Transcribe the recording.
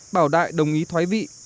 bảo đại đồng ý thoái vị